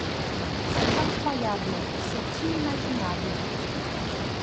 C’est incroyable, c’est inimaginable !